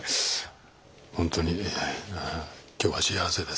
ほんとに今日は幸せです。